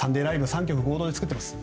３局合同で作っています